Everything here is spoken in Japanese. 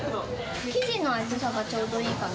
生地の厚さがちょうどいいかな。